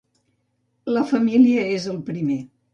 La família és el primer.